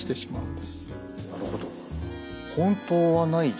なるほど。